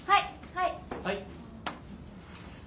はい。